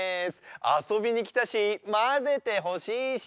あそびにきたしまぜてほしいし。